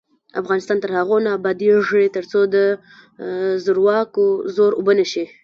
افغانستان تر هغو نه ابادیږي، ترڅو د زورواکانو زور اوبه نشي.